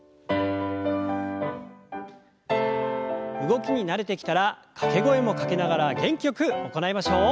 動きに慣れてきたら掛け声もかけながら元気よく行いましょう。